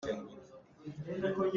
Nang cu mi na pal duh lo eh!